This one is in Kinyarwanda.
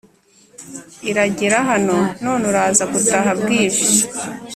iragera hano none uraza gutaha bwije”